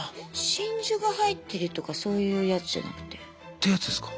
真珠が入ってるとかそういうやつじゃなくて？ってやつですか？